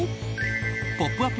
「ポップＵＰ！」